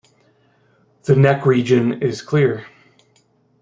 The neck region is clear.